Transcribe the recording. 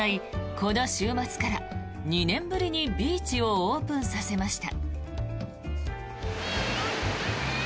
この週末から２年ぶりにビーチをオープンさせました。